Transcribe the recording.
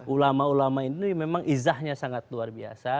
ulama ulama ini memang izahnya sangat luar biasa